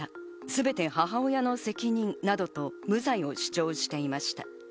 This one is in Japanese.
全て母親の責任などと無罪を主張していました。